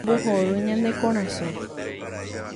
ombohory ñane korasõ